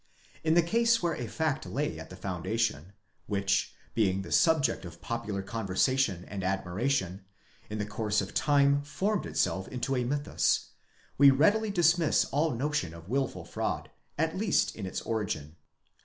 In the case where a fact lay at the foundation, which, being the subject of popular conversation and admiration, in the course of time formed itself into a mythus, we readily dismiss all notion of wilful fraud, at least in its origin.